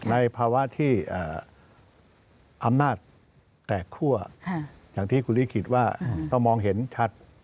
ในภาวะที่อำนาจแตกคั่วอย่างที่คุณลิขิตว่าเรามองเห็นชัด